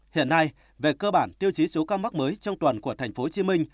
hiện nay về cơ bản tiêu chí số ca mắc mới trong tuần của tp hcm